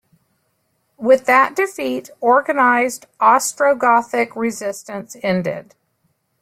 With that defeat, organized Ostrogothic resistance ended.